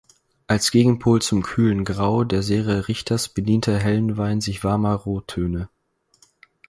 Als Gegenpol zum kühlen Grau der Serie Richters bediente Helnwein sich warmer Rottöne.